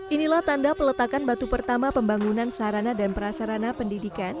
inilah tanda peletakan batu pertama pembangunan sarana dan prasarana pendidikan